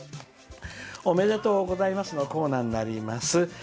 「おめでとうございます」のコーナーになります。